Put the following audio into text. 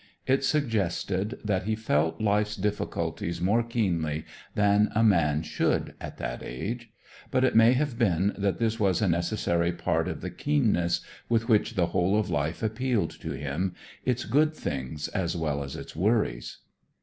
It suggested that he felt life's difficulties more keenly than a man should at that age. But it may have been that this was a necessary part of the keenness with which the whole of life appealed to him; its good things, as well as its worries.